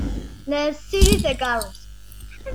La tessirid takeṛṛust.